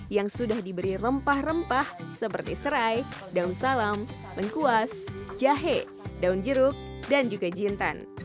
yang sudah diberi rempah rempah seperti serai daun salam lengkuas jahe daun jeruk dan juga jintan